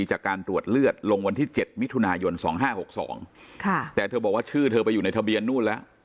จากการตรวจเลือดลงวันที่๗มิถุนายน๒๕๖๒แต่เธอบอกว่าชื่อเธอไปอยู่ในทะเบียนนู่นแล้ว